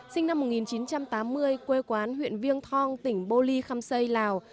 sinh năm một nghìn chín trăm tám mươi quê quán huyện viêng thong tỉnh bô ly khăm xây lào